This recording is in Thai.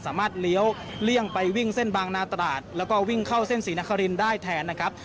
เลี้ยวเลี่ยงไปวิ่งเส้นบางนาตราดแล้วก็วิ่งเข้าเส้นศรีนครินได้แทนนะครับ